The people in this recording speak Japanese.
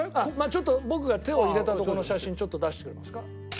ちょっと僕が手を入れたところの写真ちょっと出してくれますか？